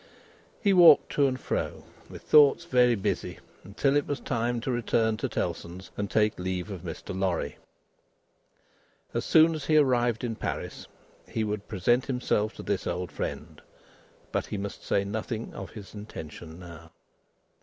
He walked to and fro, with thoughts very busy, until it was time to return to Tellson's and take leave of Mr. Lorry. As soon as he arrived in Paris he would present himself to this old friend, but he must say nothing of his intention now.